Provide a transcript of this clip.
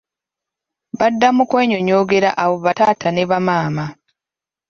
Badda mu kwenyonyogera abo ba taaata ne ba maama.